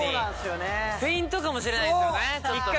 フェイントかもしれないですよね。